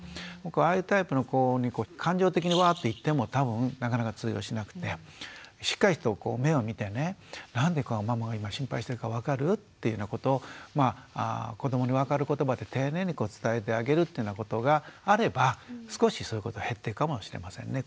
ああいうタイプの子に感情的にわって言っても多分なかなか通用しなくてしっかりとこう目を見てね「なんでママが今心配してるか分かる？」っていうようなことを子どもに分かる言葉で丁寧に伝えてあげるっていうようなことがあれば少しそういうことが減っていくかもしれませんね。